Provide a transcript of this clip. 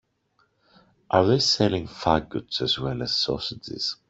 Are they selling faggots as well as sausages?